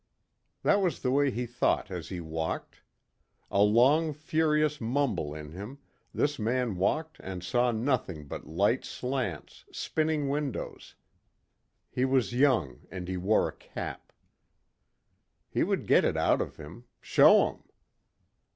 That was the way he thought as he walked. A long furious mumble in him, this man walked and saw nothing but light slants, spinning windows. He was young and he wore a cap. He would get it out of him ... Show 'em!